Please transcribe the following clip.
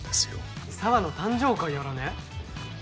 沙和の誕生会やらね？